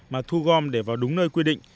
mà thu gom để vào đúng nơi quy định